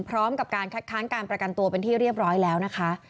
พร้อมกับการคัดค้านการประกันตัวเป็นที่เรียบร้อยแล้วนะคะ